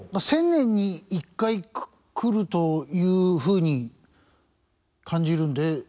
１０００年に１回来るというふうに感じるんで。